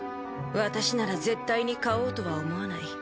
私なら絶対に買おうとは思わない。